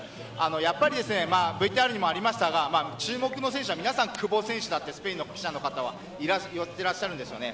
やっぱりＶＴＲにもありましたが注目の選手は皆さん久保選手だとスペインの記者の方は言っていらっしゃるんですよね。